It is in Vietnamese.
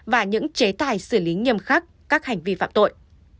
và những chế tài xử lý nghiêm khắc các hành vi phạm tội